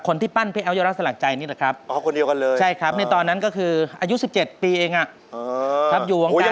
คนที่ปั้นภัยเลวรักษฎาหลังใจนี่แหละครับ